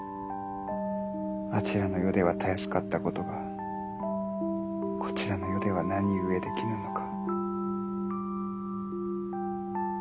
あちらの世ではたやすかったことがこちらの世では何故できぬのか。